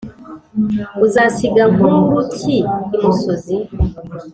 uzasiga nkuru ki imusozi*?